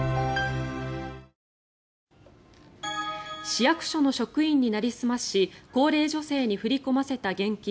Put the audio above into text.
市役所の職員になりすまし高齢女性に振り込ませた現金